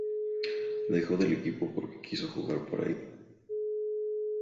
Dejó del equipo porque quiso jugar para Irlanda.